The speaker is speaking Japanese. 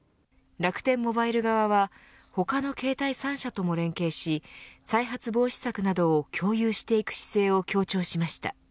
楽天モバイル側は他の携帯３社とも連携し再発防止策などを共有していく姿勢を強調しました。